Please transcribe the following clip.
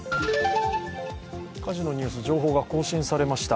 火事のニュース、情報が更新されました。